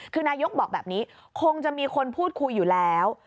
คือนายกบอกแบบนี้คงจะมีคนพูดคุยอยู่แล้ว